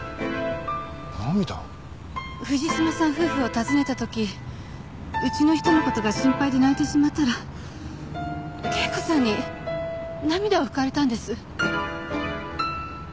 藤島さん夫婦を訪ねた時うちの人の事が心配で泣いてしまったら圭子さんに涙を拭かれたんです。